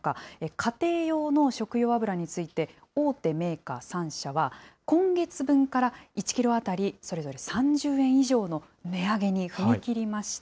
家庭用の食用油について、大手メーカー３社は、今月分から１キロ当たり、それぞれ３０円以上の値上げに踏み切りました。